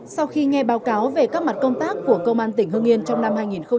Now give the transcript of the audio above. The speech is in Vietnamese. sau khi nghe báo cáo về các mặt công tác của công an tỉnh hương yên trong năm hai nghìn hai mươi ba